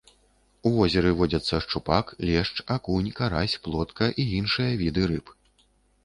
У возеры водзяцца шчупак, лешч, акунь, карась, плотка і іншыя віды рыб.